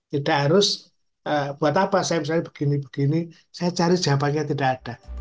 tidak harus buat apa saya misalnya begini begini saya cari jawabannya tidak ada